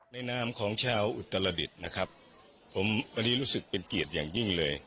นามของชาวอุตรดิษฐ์นะครับผมวันนี้รู้สึกเป็นเกียรติอย่างยิ่งเลย